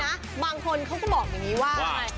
แต่จริงนะบางคนเขาก็บอกอย่างนี้ว่า